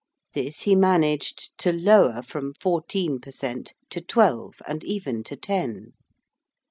This he managed to lower from fourteen per cent. to twelve and even to ten.